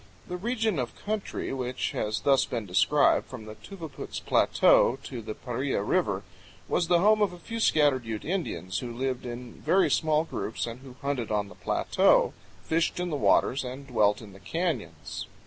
The region of country which has been thus described, from the Tava puts Plateau to the Paria River, was the home of a few scattered Ute Indians, who lived in very small groups, and who hunted on the plateau, fished in the waters, and dwelt in the canyons.